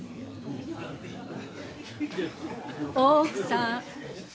大奥さん。